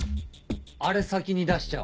あれ先に出しちゃお。